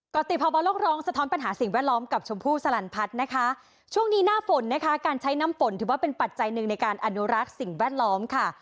กรติภาวะโลกร้องสะท้อนปัญหาสิ่งแวดล้อมกับชมพู่สลันพัฒน์นะคะช่วงนี้หน้าฝนนะคะการใช้น้ำฝนถือว่าเป็นปัจจัยหนึ่งในการอนุรักษ์สิ่งแวดล้อมค่ะ